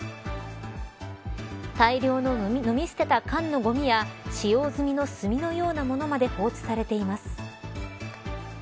大量の飲み捨てた缶のごみや使用済みの炭のようなものまで放置されています。